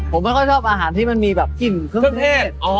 ผมไม่ค่อยชอบอาหารที่มันมีแบบกลิ่นเครื่องเทศ